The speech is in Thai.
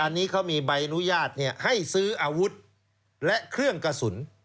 อันนี้เขามีใบอนุญาตให้ซื้ออาวุธและเครื่องกระสุน